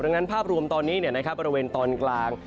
ดังนั้นภาพรวมตอนนี้เนี่ยนะครับบริเวณตอนกลาง